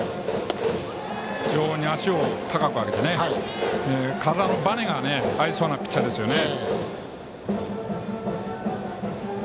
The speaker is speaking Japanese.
非常に足を高く上げて体のばねがありそうなピッチャーですよね。